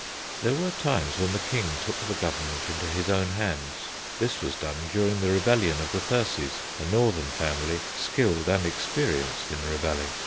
There were times when the King took the government into his own hands. This was done during the rebellion of the Percies, a northern family skilled and experienced in rebelling.